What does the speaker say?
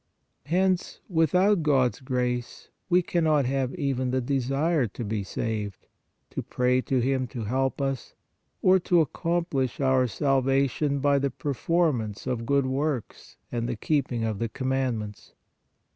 Hence without God s grace we cannot have even the desire to be saved, to pray to Him to help us, or to accom 34 PRAYER plish our salvation by the performance of good works and the keeping of the commandments.